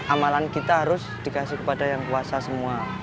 amalan kita harus dikasih kepada yang kuasa semua